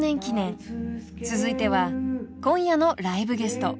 ［続いては今夜のライブゲスト。